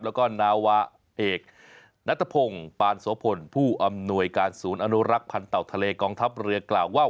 แล้วก็นาวาเอกนัทพงศ์ปานโสพลผู้อำนวยการศูนย์อนุรักษ์พันธ์เต่าทะเลกองทัพเรือกล่าวว่า